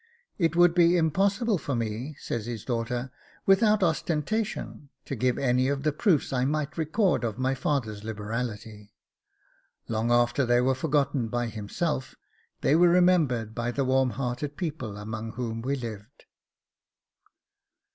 'It would be impossible for me,' says his daughter, 'without ostentation to give any of the proofs I might record of my father's liberality. Long after they were forgotten by himself, they were remembered by the warm hearted people among whom he lived.